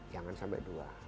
jangan sampai dua